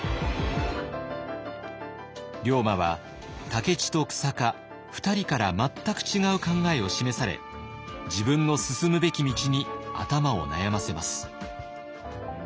龍馬は武市と久坂２人から全く違う考えを示され自分の進むべき道に頭を悩ませます。